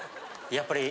やっぱり。